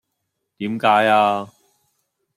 點解呀